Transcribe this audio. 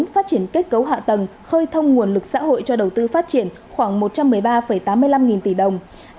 phát triển kết cấu hạ tầng khơi thông nguồn lực xã hội cho đầu tư phát triển khoảng một trăm một mươi ba tám mươi năm nghìn tỷ đồng